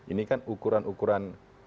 ini kan ukuran ukuran